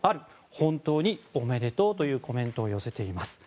本当におめでとうというコメントを寄せています。